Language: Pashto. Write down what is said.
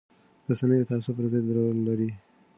رسنۍ د تعصب پر ضد رول لري